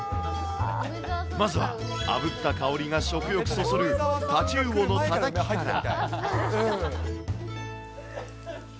まずはあぶった香りが食欲そそる、タチウオのたたきから。